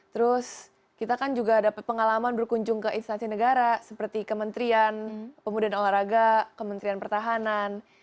terus kita kan juga dapat pengalaman berkunjung ke instansi negara seperti kementerian pemuda dan olahraga kementerian pertahanan